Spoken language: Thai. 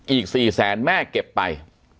อีก๔แสนแม่เก็บไป